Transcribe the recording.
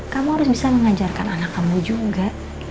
kamu harus bisa mengajarkan anak kamu juga